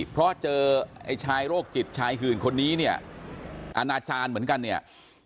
เพราะเจอไอ้ชายโรคจิตชายหื่นคนนี้เนี่ยอาณาจารย์เหมือนกันเนี่ย